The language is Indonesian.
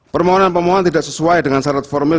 permohonan pemohon tidak sesuai dengan syarat formil